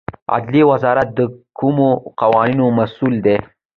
عدلیې وزارت د کومو قوانینو مسوول دی؟